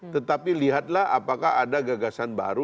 tetapi lihatlah apakah ada gagasan baru